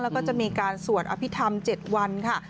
แล้วก็จะมีการสวดอภิษฐรรม๗วันค่ะ